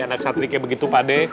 anak satriknya begitu